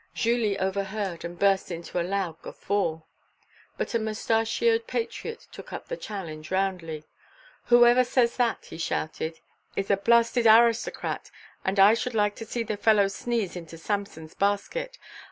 Julie overheard and burst into a loud guffaw. But a moustachioed patriot took up the challenge roundly: "Whoever says that," he shouted, "is a bl sted aristocrat, and I should like to see the fellow sneeze into Samson's basket.